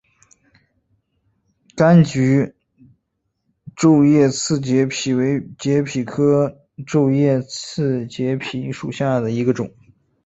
柑桔皱叶刺节蜱为节蜱科皱叶刺节蜱属下的一个种。